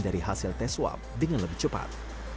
dari hasil tes swab dengan lebih cepat